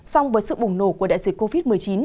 song với sự bùng nổ của đại dịch covid một mươi chín